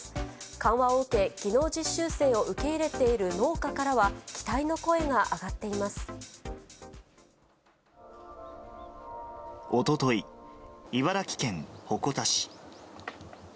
緩和を受け、技能実習生を受け入れている農家からは、おととい、茨城県鉾田市。